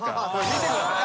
見てください。